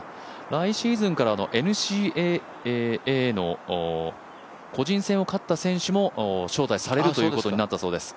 来シーズンからＮＣＡの個人戦を勝った選手も、招待されるということになったそうです。